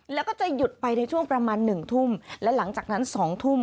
แล้วก็จะหยุดไปในช่วงประมาณหนึ่งทุ่มและหลังจากนั้นสองทุ่ม